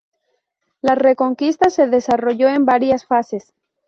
La Reconquista se desarrolló en varias fases.